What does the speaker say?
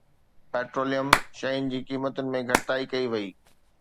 petroleum شين جي قيمتن ۾ گهٽتائي ڪئي وئي